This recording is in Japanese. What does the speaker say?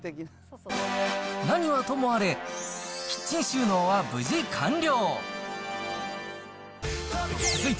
何はともあれ、キッチン収納は無事完了。